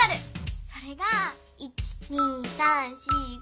それが１・２・３・４・５。